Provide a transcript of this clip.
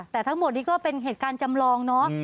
แต่ทั้งหมดนี้ก็เป็นเหตุการณ์จำลองเนาะ